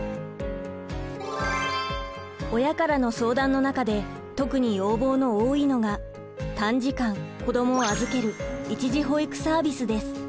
親からの相談の中で特に要望の多いのが短時間子どもを預ける一時保育サービスです。